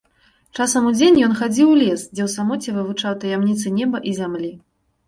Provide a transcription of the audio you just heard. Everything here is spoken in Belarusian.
Часам удзень ён хадзіў у лес, дзе ў самоце вывучаў таямніцы неба і зямлі.